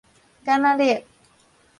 澗仔壢